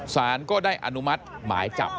สารก็ได้อนุมัติหมายจับ